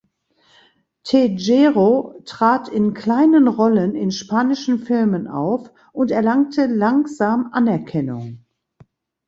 Tejero trat in kleinen Rollen in spanischen Filmen auf und erlangte langsam Anerkennung.